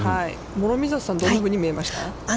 諸見里さん、どんなふうに見えましたか。